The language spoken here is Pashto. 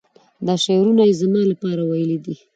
دا شعرونه یې زما لپاره ویلي دي.